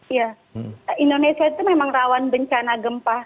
iya indonesia itu memang rawan bencana gempa